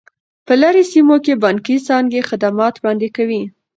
په لیرې سیمو کې بانکي څانګې خدمات وړاندې کوي.